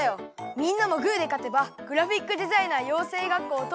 みんなもグーでかてばグラフィックデザイナー養成学校東京支部。